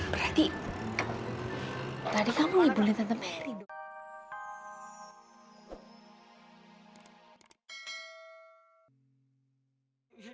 berarti tadi kamu libulin tante meri dong